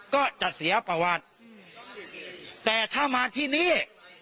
ก็จะเสียประวัติแต่ถ้ามาที่นี่